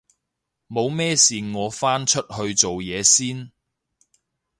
冇咩事我返出去做嘢先